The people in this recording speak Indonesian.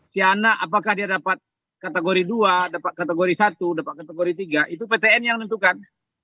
si anak apakah dia dapat kategori dua dapat kategori satu dapat kategori tiga itu ptn yang menentukan